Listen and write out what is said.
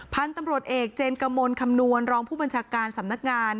พันธุ์ตำรวจเอกเจนกมลคำนวณรองผู้บัญชาการสำนักงาน